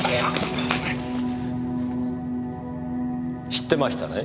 知ってましたね？